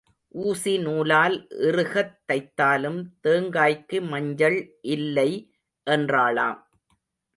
ஊசி நூலால் இறுகத் தைத்தாலும் தேங்காய்க்கு மஞ்சள் இல்லை என்றாளாம்.